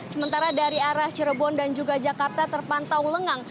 sementara dari arah cirebon dan juga jakarta terpantau lengang